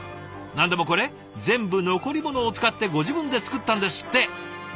何でもこれ全部残りものを使ってご自分で作ったんですって。